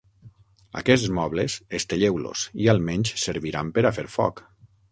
Aquests mobles, estelleu-los, i almenys serviran per a fer foc.